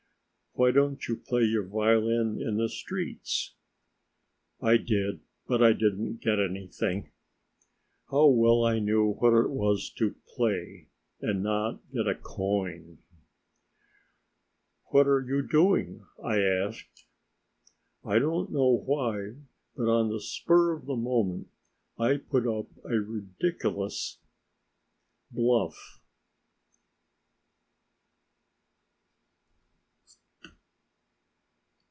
"Why don't you play your violin in the streets?" "I did, but I didn't get anything." How well I knew what it was to play and not get a coin. "What are you doing?" he asked. I don't know why, but on the spur of the moment, I put up a ridiculous bluff.